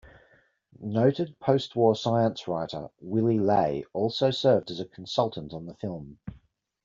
Noted post-war science writer Willy Ley also served as a consultant on the film.